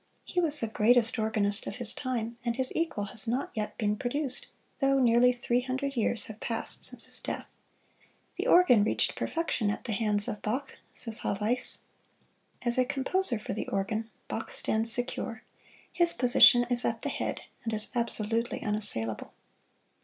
He was the greatest organist of his time, and his equal has not yet been produced, though nearly three hundred years have passed since his death. "The organ reached perfection at the hands of Bach," says Haweis. As a composer for the organ, Bach stands secure his position is at the head, and is absolutely unassailable.